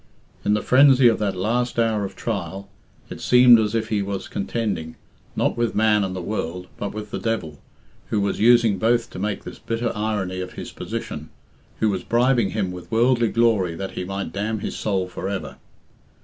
In the frenzy of that last hour of trial, it seemed as if he was contending, not with man and the world, but with the devil, who was using both to make this bitter irony of his position who was bribing him with worldly glory that he might damn his soul forever.